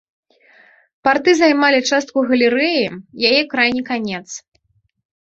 Парты займалі частку галерэі, яе крайні канец.